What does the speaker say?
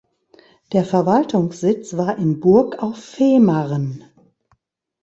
Der Verwaltungssitz war in Burg auf Fehmarn.